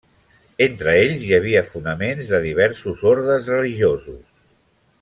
Entre ells hi havia fonaments de diversos ordes religiosos.